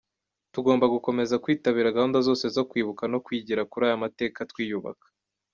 Tugomba gukomeza kwitabira gahunda zose zo kwibuka no kwigira kuri aya mateka twiyubaka.